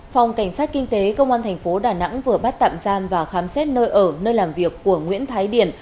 phòng cảnh sát kinh tế công an thành phố đà nẵng vừa bắt tạm giam và khám xét nơi ở nơi làm việc của nguyễn thái điển